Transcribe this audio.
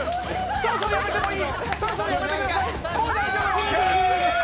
そろそろやめてもいい！